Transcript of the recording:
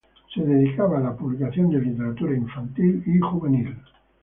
Se dedicaba a la publicación de literatura infantil y juvenil.